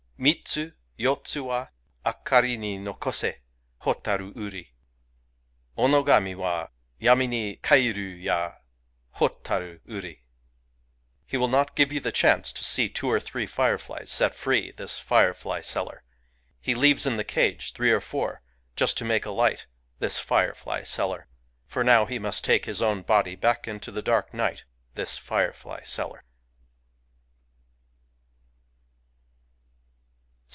Mitsu, yotsu wa, Akari ni nokose Hotaru uri. Onoga mi wa Yami ni kaeru ya Hotaru uri. Y He will not give you the chance to see two or three fireflies set free, — this firefly seller. He leaves in the cage three or four, just to make a light, — this firefly seller. For now he must take his own body back into the dark night, — this firefly seller.